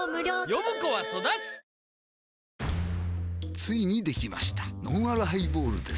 ついにできましたのんあるハイボールです